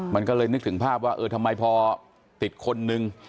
มันก็เลยนึกถึงภาพว่าเออทำไมพอติดคนนึง